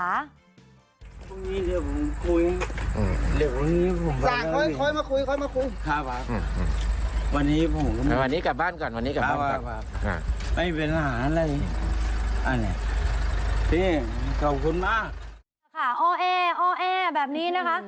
อ้อแอแบบนี้นะคะ